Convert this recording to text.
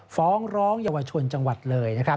ฟ้องร้องเยาวชนจังหวัดเลยนะครับ